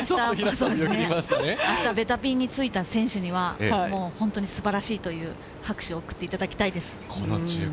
明日、ベタピンについた選手にはホントに素晴らしいという拍手を送っていただきたいです。